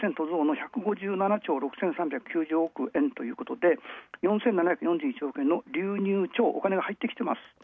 １５７兆６３９０億円ということで４７４１億円の流入、お金が入ってきています。